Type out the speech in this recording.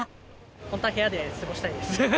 本当は部屋で過ごしたいです。